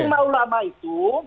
itu maulama itu